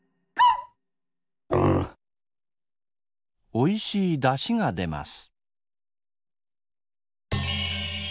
おいしいだしがでます。